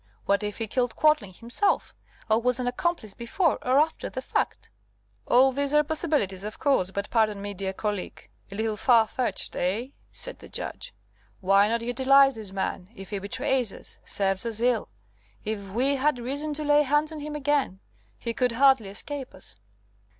What if he killed Quadling himself, or was an accomplice before or after the fact?" "All these are possibilities, of course, but pardon me, dear colleague a little far fetched, eh?" said the Judge. "Why not utilize this man? If he betrays us serves us ill if we had reason to lay hands on him again, he could hardly escape us."